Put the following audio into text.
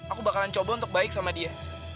aku bakalan coba untuk baik sama dia